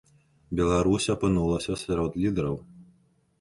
Беларусь апынулася сярод лідараў.